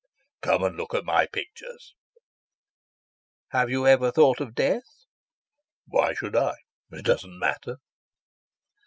"Come and look at my pictures." "Have you ever thought of death?" "Why should I? It doesn't matter."